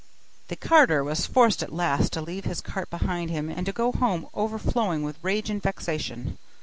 The carter was forced at last to leave his cart behind him, and to go home overflowing with rage and vexation.